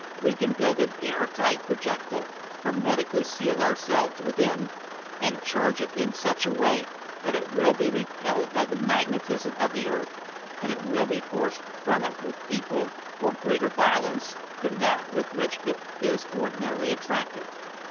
We can build an airtight projectile, hermetically seal ourselves within, and charge it in such a way that it will be repelled by the magnetism of the earth, and it will be forced from it with equal or greater violence than that with which it is ordinarily attracted.